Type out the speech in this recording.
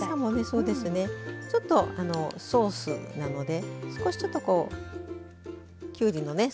そうですねちょっとソースなので少しちょっとこうきゅうりのね